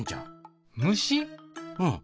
うん。